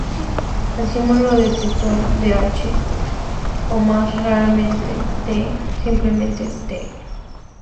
El símbolo del tritón es H, o más raramente, T o simplemente "t".